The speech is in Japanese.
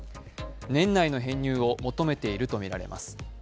年内の編入を求めているとみられます。